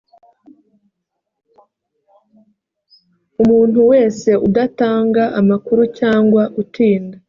umuntu wese udatanga amakuru cyangwa utinda